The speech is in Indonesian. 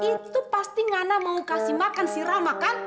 itu pasti ngana mau kasih makan si rama kan